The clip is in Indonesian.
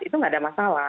itu nggak ada masalah